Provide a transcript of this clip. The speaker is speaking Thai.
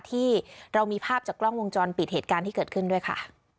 ที่เรามีภาพจากกล้องวงจรปิดเหตุการณ์ที่เกิดขึ้นด้วยค่ะ